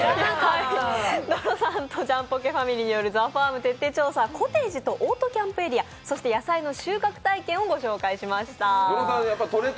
野呂さんとジャンポケファミリーによるＴＨＥＦＡＲＭ徹底調査コテージとオートキャンプエリア、そして野菜の収穫体験を御紹介しました。